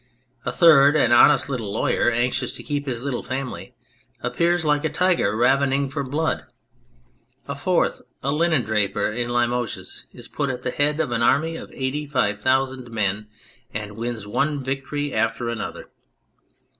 A third, an honest little lawyer, anxious to keep his little family, appears like a tiger ravening for blood. A fourth, a linendraper in Limoges, is put at the head of an army of 85,000 men and wins one victory after another.